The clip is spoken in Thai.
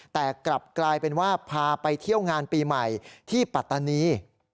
แต่กลับกลายเป็นว่าพาไปเที่ยวงานปีใหม่ที่ปัตตานี